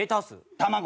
卵。